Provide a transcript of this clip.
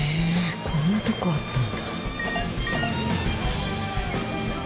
こんなとこあったんだ。